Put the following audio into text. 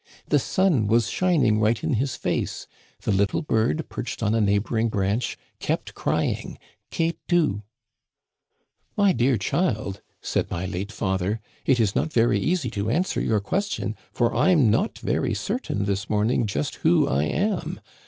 The sun was shining right in his face ; the little bird, perched on a neighboring branch, kept cry ing qué tu ?*"* My dear child,' said my late father, * it is not very easy to answer your question, for I'm not very certain this morning just who I am.